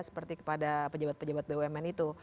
seperti kepada pejabat pejabat bumn itu